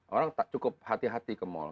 orang cukup hati hati ke mall